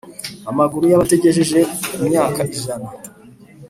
Amaguru y Abatagejeje ku myaka ijana